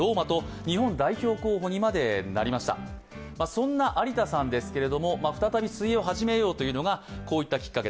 そんな有田さんですが再び水泳を始めようというのがこういったきっかけ。